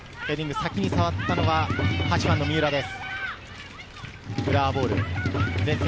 先に触ったのは８番・三浦です。